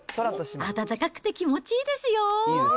暖かくて気持ちいいですよ。